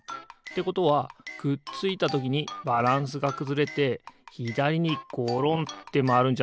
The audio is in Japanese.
ということはくっついたときにバランスがくずれてひだりにごろんってまわるんじゃないかな？